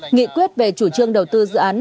nghị quyết về chủ trương đầu tư dự án